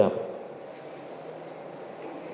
dalam benak saudara saat itu